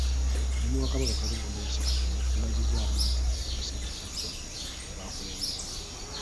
Omwami wa Kabaka atwala eggombolola y’e Ssekanyonyi, yeebazizza abantu ba Ssaabasajja b’akulembera.